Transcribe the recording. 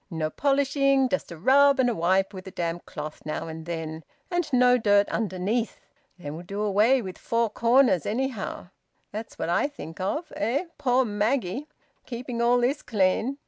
No polishing. Just a rub, and a wipe with a damp cloth now and then. And no dirt underneath. They will do away with four corners, anyhow. That's what I think of eh, poor Maggie! Keeping all this clean.